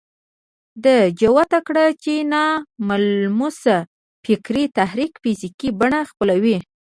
ده جوته کړه چې ناملموس فکري تحرک فزيکي بڼه خپلوي.